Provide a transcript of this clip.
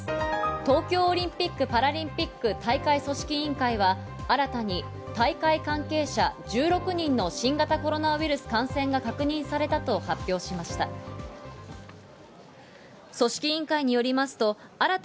東京オリンピック・パラリンピック大会組織委員会は、新たに大会関係者１６人の新型コロナウイルス感染が確認されたと発表しました。